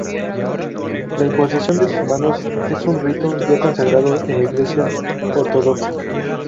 La imposición de manos es un rito ya consagrado en la Iglesia ortodoxa.